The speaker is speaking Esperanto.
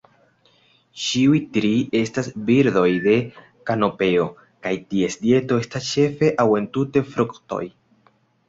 Ĉiuj tri estas birdoj de kanopeo, kaj ties dieto estas ĉefe aŭ entute fruktoj.